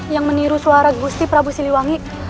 yang meniru suara gusti prabu siliwangi